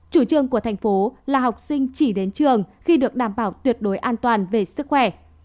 chủ trương của thành phố là học sinh chỉ đến trường khi được đảm bảo tuyệt đối an toàn về sức khỏe